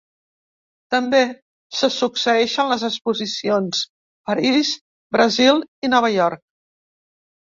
També se succeeixen les exposicions, París, Brasil i Nova York.